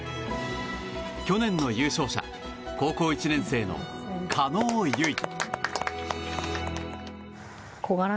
去年の優勝者高校１年生の叶結衣。